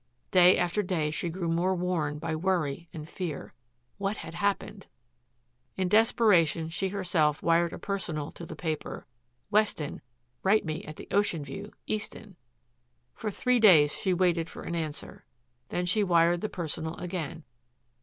Day after day she grew more worn by worry and fear. What had happened? In desperation she herself wired a personal to the paper: "Weston. Write me at the Oceanview. Easton." For three days she waited for an answer. Then she wired the personal again.